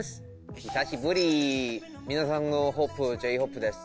久しぶり皆さんのホープＪ−ＨＯＰＥです。